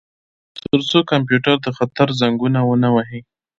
ترڅو کمپیوټر د خطر زنګونه ونه وهي